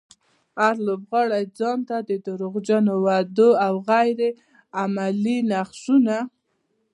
هر لوبغاړی ځانته د دروغجنو وعدو او غير عملي نقشونه.